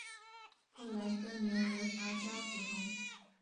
后来更名为华嘉胡同。